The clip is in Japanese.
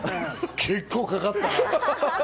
結構かかったな。